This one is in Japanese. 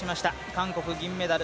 韓国、銀メダル。